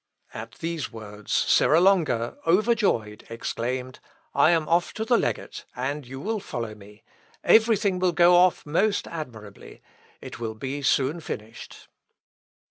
At these words Serra Longa, overjoyed, exclaimed, "I am off to the legate, and you will follow me; everything will go off most admirably; it will be soon finished...."